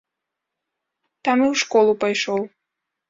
Там і ў школу пайшоў.